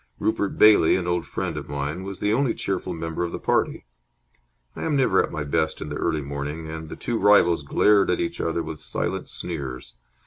Rupert Bailey, an old friend of mine, was the only cheerful member of the party. I am never at my best in the early morning, and the two rivals glared at each other with silent sneers.